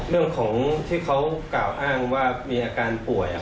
เรื่องของที่เขากล่าวอ้างว่ามีอาการป่วย